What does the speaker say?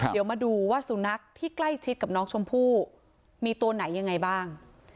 เดี๋ยวมาดูว่าสุนัขที่ใกล้ชิดกับน้องชมพู่มีตัวไหนยังไงบ้าง